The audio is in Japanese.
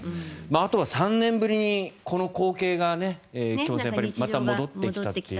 あとは３年ぶりに、この光景がまた戻ってきたという。